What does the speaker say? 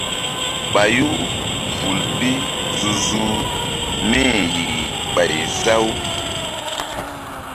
Payu vul bi zu-zuh mí-i yih ɓay za-u.